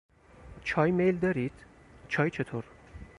چای میل دارید؟، چای چطور؟